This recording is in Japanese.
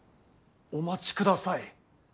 お待ちください。